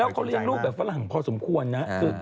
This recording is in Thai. แล้วเขาเรียกลูกแบบฝรั่งพอสมควรนะ